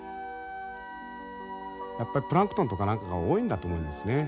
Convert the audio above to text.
やっぱりプランクトンとか何かが多いんだと思うんですね。